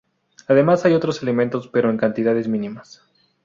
Además hay otros elementos pero en cantidades mínimas.